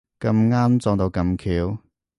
咁啱撞到咁巧